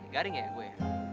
garing gak ya gue